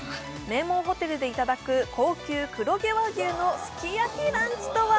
名門ホテルでいただく高級黒毛和牛のすき焼きランチとは？